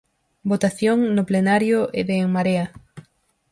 Votación no Plenario de En Marea.